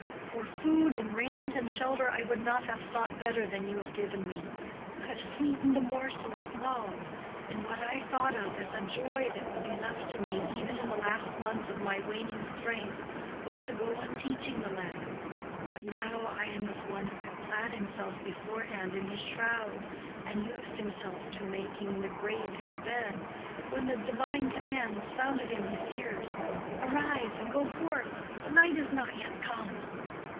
For food and raiment and shelter I would not have sought better than you have given me. You have sweetened the morsel with love; and what I thought of as a joy that would be left to me even in the last months of my waning strength was to go on teaching the lad. But now I am as one who had clad himself beforehand in his shroud, and used himself to making the grave his bed, when the divine command sounded in his ears, 'Arise, and go forth; the night is not yet come.